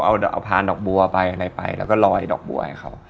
เอาพานดอกบัวไปอะไรไปแล้วก็ลอยดอกบัวให้เขา